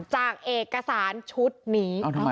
จากเอกสารชุดนี้